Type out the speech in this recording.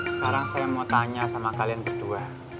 sekarang saya mau tanya sama kalian berdua